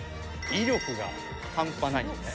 威力が半端ないんですね。